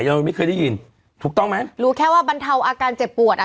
เราไม่เคยได้ยินถูกต้องไหมรู้แค่ว่าบรรเทาอาการเจ็บปวดอ่ะ